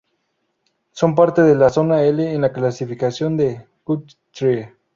Son parte de la zone L en la clasificación de Guthrie.